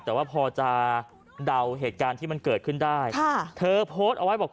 แต่ว่าพอจะเดาเหตุการณ์ที่มันเกิดขึ้นได้ค่ะเธอโพสต์เอาไว้บอก